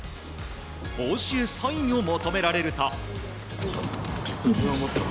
帽子へサインを求められると。